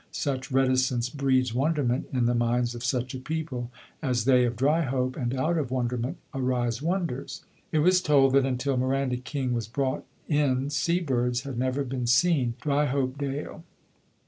Such reticence breeds wonderment in the minds of such a people as they of Dryhope, and out of wonderment arise wonders. It was told that until Miranda King was brought in sea birds had never been seen in Dryhopedale.